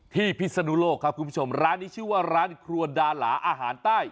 พิศนุโลกครับคุณผู้ชมร้านนี้ชื่อว่าร้านครัวดาหลาอาหารใต้